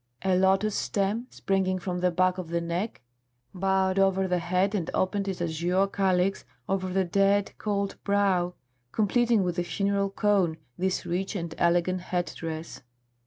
A lotus stem, springing from the back of the neck, bowed over the head and opened its azure calyx over the dead, cold brow, completing with a funeral cone this rich and elegant head dress.